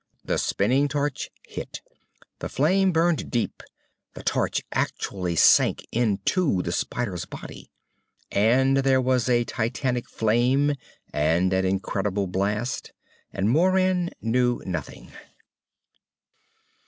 The spinning torch hit. The flame burned deep. The torch actually sank into the spider's body. And there was a titanic flame and an incredible blast and Moran knew nothing.